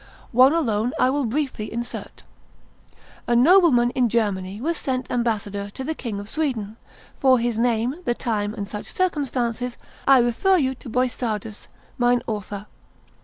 One alone I will briefly insert. A nobleman in Germany was sent ambassador to the King of Sweden (for his name, the time, and such circumstances, I refer you to Boissardus, mine Author).